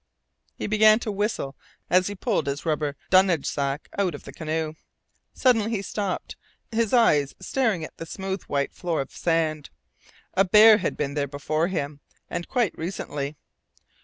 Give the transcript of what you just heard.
He began to whistle as he pulled his rubber dunnage sack out of the canoe. Suddenly he stopped, his eyes staring at the smooth white floor of sand. A bear had been there before him, and quite recently.